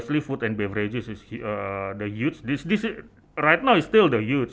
sebelumnya makanan dan beberapa makanan adalah yang besar